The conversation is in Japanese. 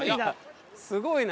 すごいな。